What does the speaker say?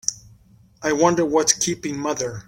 I wonder what's keeping mother?